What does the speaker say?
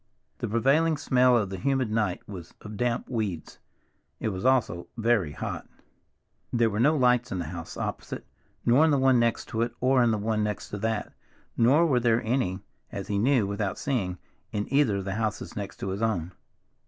The prevailing smell of the humid night was of damp weeds. It was also very hot. There were no lights in the house opposite, nor in the one next to it, or in the one next to that, nor were there any, as he knew without seeing, in either of the houses next to his own.